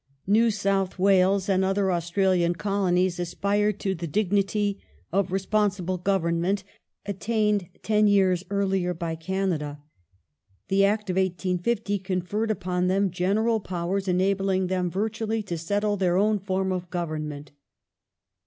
New South Wales and ^oi'^" other Australian Colonies aspired to the dignity of " responsible " Act Government attained ten years earlier by Canada. The Act of 1850 conferred upon them general powers enabling them virtually to settle their own fonii of Government.